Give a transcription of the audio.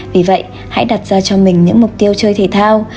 vì vậy hãy đặt ra cho mình những mục tiêu chơi thể thao